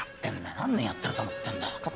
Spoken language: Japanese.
何年やってると思ってんだよ